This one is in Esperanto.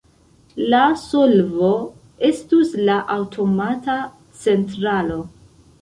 La solvo estus la aŭtomata centralo.